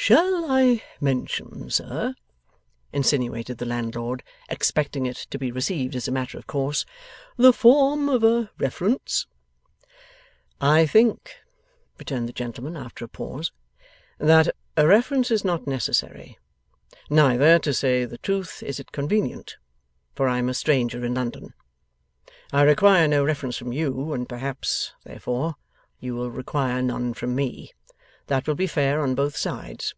'Shall I mention, sir,' insinuated the landlord, expecting it to be received as a matter of course, 'the form of a reference?' 'I think,' returned the gentleman, after a pause, 'that a reference is not necessary; neither, to say the truth, is it convenient, for I am a stranger in London. I require no reference from you, and perhaps, therefore, you will require none from me. That will be fair on both sides.